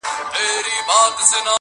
د تهمتونو سنګسارونو شور ماشور تر کلي٫